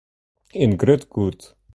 In grut goed.